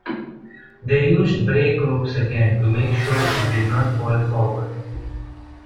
They used brake ropes again to make sure it did not fall forward.